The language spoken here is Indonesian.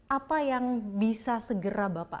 apa yang bisa segera bapak